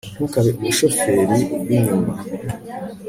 ntukabe umushoferi winyuma